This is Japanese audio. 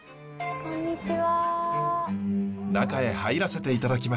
こんにちは。